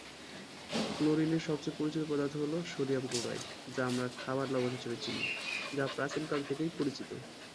ক্লোরিনের সবচেয়ে পরিচিত পদার্থ হলো সোডিয়াম ক্লোরাইড, যা আমরা খাবার লবণ হিসেবে চিনি, যা প্রাচীনকাল থেকেই পরিচিত।